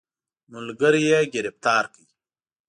ملګري یې ګرفتار کړ.